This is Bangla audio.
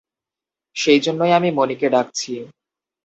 সেইজন্যই আমি মণিকে ডাকছি।